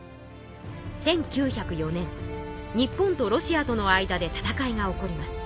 日本とロシアとの間で戦いが起こります。